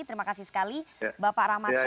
terima kasih sekali bapak ramadhan